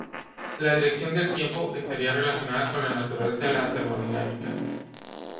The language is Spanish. La dirección del tiempo estaría relacionada con la naturaleza de la termodinámica.